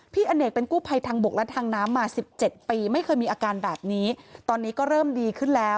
พี่อเนกเป็นกู้ภัยทางบกและทางน้ำมา๑๗ปีไม่เคยมีอาการแบบนี้